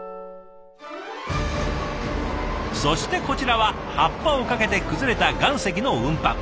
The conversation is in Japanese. そしてこちらは発破をかけて崩れた岩石の運搬。